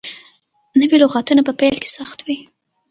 نوي لغتونه په پيل کې سخت وي.